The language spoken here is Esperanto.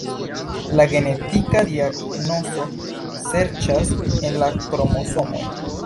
La genetika diagnozo serĉas en la kromosomoj.